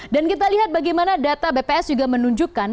dan kita lihat bagaimana data bps juga menunjukkan